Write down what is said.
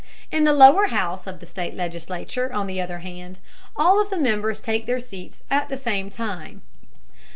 In the lower house of the state legislature, on the other hand, all of the members take their seats at the same time.